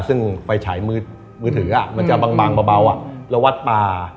ซึ่งไฟฉายมือมือถืออะมันจะบางเบาอะเราวัดป่า